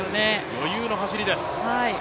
余裕の走りです。